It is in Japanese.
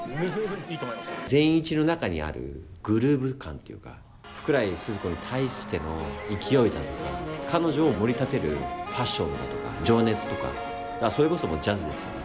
善一の中にあるグルーヴ感というか福来スズ子に対しての勢いだとか彼女をもり立てるパッションだとか情熱とかそれこそジャズですよね